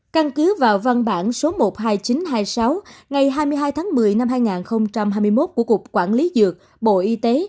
căn cứ vào văn bản số một mươi hai nghìn chín trăm hai mươi sáu ngày hai mươi hai tháng một mươi năm hai nghìn hai mươi một của cục quản lý dược bộ y tế